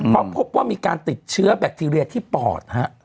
เพราะพบว่ามีการติดเชื้อแบคทีเรียที่ปอดฮะ